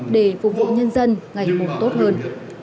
để phục vụ nhân dân ngày hôm tốt hơn